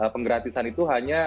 penggratisan itu hanya